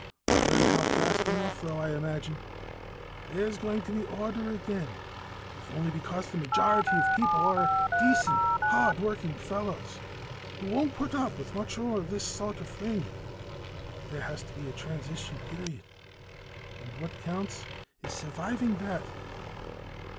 "We'll learn how fast enough, I imagine. There's going to be order again, if only because the majority of people are decent, hard working fellows who won't put up with much more of this sort of thing. But there has to be a transition period, and what counts is surviving that."